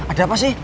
ada apa sih